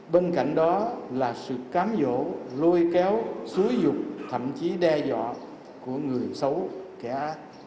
bên cạnh đó là sự cám dỗ lôi kéo xúi dục thậm chí đe dọa của người xấu kẻ ác